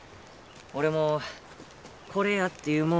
俺もこれやっていうもんを